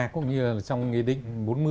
cũng như trong nghị định bốn mươi